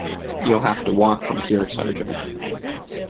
You'll have to walk from here, sergeant.